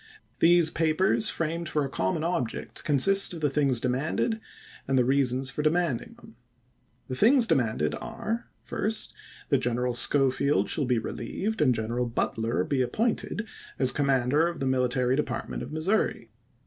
These papers, framed for a common object, consist of the things demanded and the reasons for demanding them. The things demanded are : First : That General Schofield shall be relieved, and General Butler be appointed, as commander of the Mili tary Department of Alissouri.